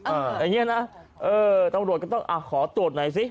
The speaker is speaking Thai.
อย่างนี้นะเออตำรวจก็ต้องอ่ะขอตรวจหน่อยสิ